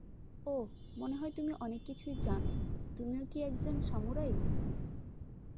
ওহ, মনে হয় তুমি অনেক কিছুই জানো, তুমিও কি একজন সামুরাই?